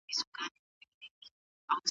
خر چي پورته سو وبام ته په خندا سو